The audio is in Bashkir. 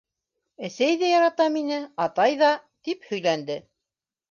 -Әсәй ҙә ярата мине, атай ҙа, - тип һөйләнде.